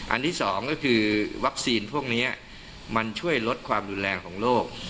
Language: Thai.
อันที่สองก็คือวัคซีนพวกนี้มันช่วยลดความรุนแรงของโลก